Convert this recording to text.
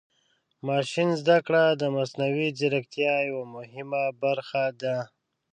ماشین زده کړه د مصنوعي ځیرکتیا یوه مهمه برخه ده.